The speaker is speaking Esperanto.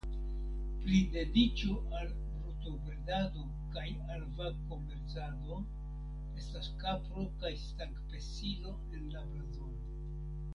Pri dediĉo al brutobredado kaj al vagkomercado estas kapro kaj stangpesilo en la blazono.